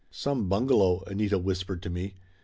"Some bungalow!" Anita whispered to me.